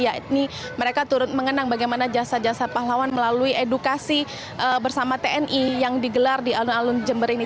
yakni mereka turut mengenang bagaimana jasa jasa pahlawan melalui edukasi bersama tni yang digelar di alun alun jember ini